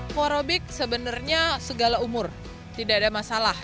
aqua robik sebenarnya segala umur tidak ada masalah